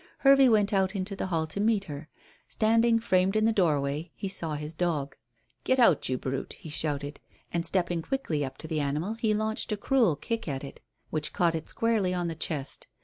Hervey went out into the hall to meet her. Standing framed in the doorway he saw his dog. "Get out, you brute," he shouted, and stepping quickly up to the animal he launched a cruel kick at it which caught it squarely on the chest.